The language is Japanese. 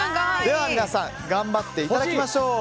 皆さん頑張っていただきましょう。